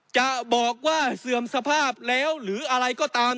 จะบอกว่าเสื่อมสภาพแล้วหรืออะไรก็ตาม